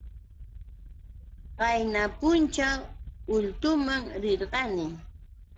Qayna pućhaw ultuumi rirqani.